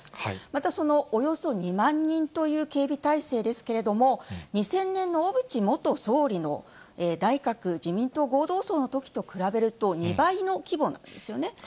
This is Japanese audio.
またそのおよそ２万人という警備態勢ですけれども、２０００年の小渕総理の内閣・自民党合同葬のときと比べると、２倍の規模なんですよね。